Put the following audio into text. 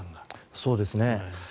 そうですね。